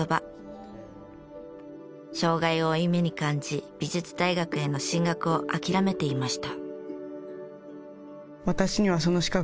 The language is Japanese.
障害を負い目に感じ美術大学への進学を諦めていました。